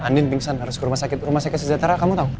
andin pingsan harus ke rumah sakit rumah sakit sejahtera kamu tahu